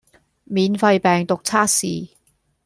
免費病毒測試